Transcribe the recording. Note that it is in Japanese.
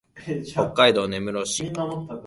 北海道根室市